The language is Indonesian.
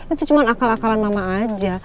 itu cuma akal akalan mama aja